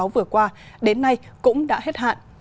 vừa qua đến nay cũng đã hết hạn